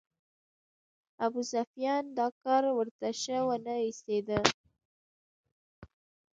ابوسفیان دا کار ورته شه ونه ایسېده.